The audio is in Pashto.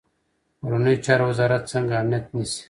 کورنیو چارو وزارت څنګه امنیت نیسي؟